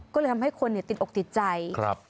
ก็เลยทำให้คนติดอกติดใจ